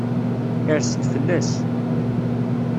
Irs-d fell-as.